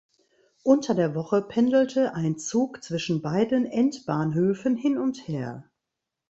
Unter der Woche pendelte ein Zug zwischen beiden Endbahnhöfen hin und her.